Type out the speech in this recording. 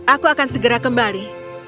aku akan segera kembali